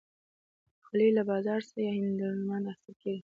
غالۍ له بازار یا هنرمندانو اخیستل کېږي.